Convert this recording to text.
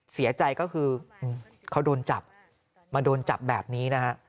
เสียใจก็คือเขาโดนจับมาโดนจับแบบนี้นะฮะ